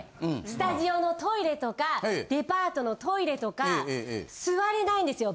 スタジオのトイレとかデパートのトイレとか座れないんですよ。